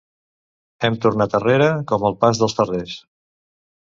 Hem tornat arrere, com el pas dels ferrers.